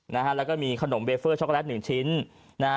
แล้วก็มีขนมเบเฟอร์ช็อกโกแลต๑ชิ้น